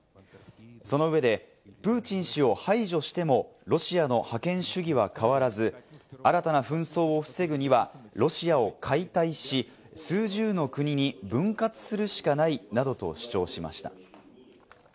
その上で、プーチン氏を排除しても、ロシアの覇権主義は変わらず、新たな紛争を防ぐにはロシアを解体し、数十の国に分割するしかないなどと主張しました。